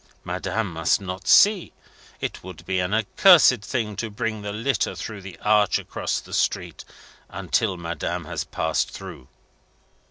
Madame must not see. It would be an accursed thing to bring the litter through the arch across the street, until Madame has passed through.